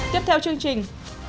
tiếp theo chương trình